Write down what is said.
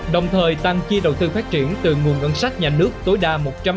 đồng thời tăng chi đầu tư phát triển từ nguồn ngân sách nhà nước tối đa